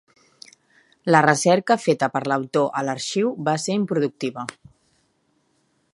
La recerca feta per l'autor a l'arxiu va ser improductiva.